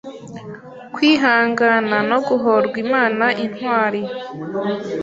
Kwihangana no Guhorwa Imana Intwari